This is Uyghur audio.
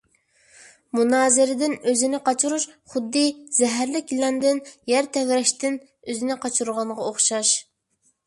مۇنازىرىدىن ئۆزىنى قاچۇرۇش خۇددى زەھەرلىك يىلاندىن، يەر تەۋرەشتىن ئۆزىنى قاچۇرغانغا ئوخشاش.